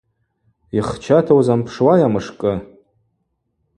Йхчата узампшуайа мышкӏы?